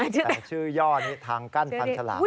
แต่ชื่อย่อนี้ทางกั้นฟันฉลาม